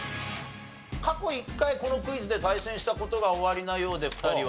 過去１回このクイズで対戦した事がおありなようで２人は。